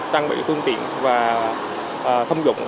trang bị thương tiện và thông dụng